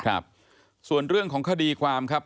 ครับส่วนเรื่องของคดีความครับ